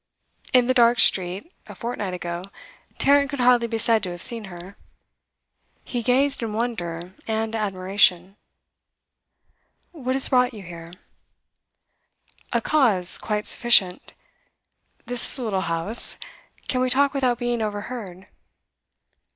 In the dark street, a fortnight ago, Tarrant could hardly be said to have seen her; he gazed in wonder and admiration. 'What has brought you here?' 'A cause quite sufficient. This is a little house; can we talk without being overheard?